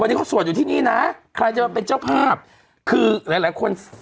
วันนี้เขาสวดอยู่ที่นี่นะใครจะมาเป็นเจ้าภาพคือหลายหลายคน